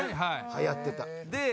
はやってた。